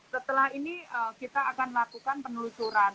setelah ini kita akan lakukan penelusuran